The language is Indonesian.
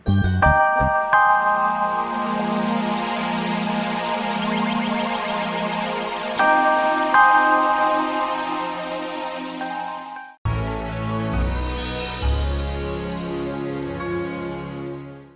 sampai jumpa lagi